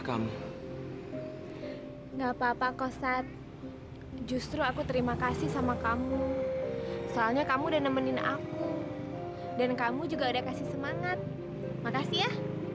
sampai jumpa di video selanjutnya